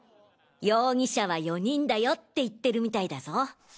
「容疑者は４人だよ」って言ってるみたいだぞ。